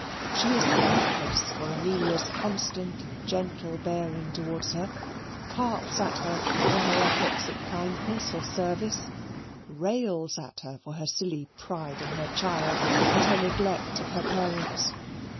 She is thankless for Amelia's constant and gentle bearing towards her; carps at her for her efforts at kindness or service; rails at her for her silly pride in her child and her neglect of her parents.